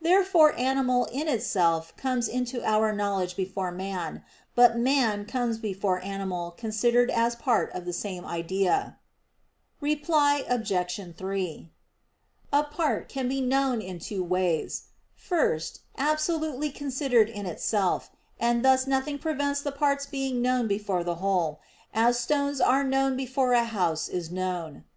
Therefore "animal" in itself comes into our knowledge before "man"; but "man" comes before "animal" considered as part of the same idea. Reply Obj. 3: A part can be known in two ways. First, absolutely considered in itself; and thus nothing prevents the parts being known before the whole, as stones are known before a house is known.